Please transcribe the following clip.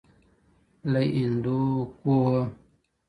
له هیندوکوهه